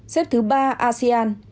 xếp thứ ba asean